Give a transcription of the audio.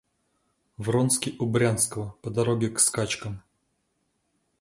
Вронский у Брянского по дороге к скачкам.